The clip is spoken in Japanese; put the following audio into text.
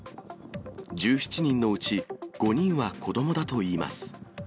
１７人のうち、５人は子どもだといいます。